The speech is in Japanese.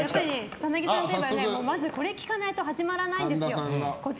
草なぎさんといえば、まずこれを聞かないと始まらないんですよ。